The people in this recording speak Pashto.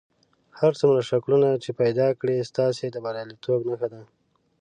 هر څومره شکلونه چې پیدا کړئ ستاسې د بریالیتوب نښه ده.